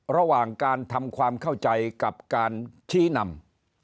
ระหว่างการทำความเข้าใจกับการชี้นำ